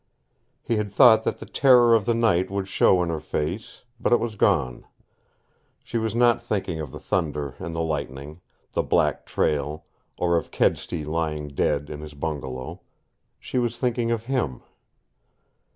He had thought that the terror of the night would show in her face, but it was gone. She was not thinking of the thunder and the lightning, the black trail, or of Kedsty lying dead in his bungalow. She was thinking of him.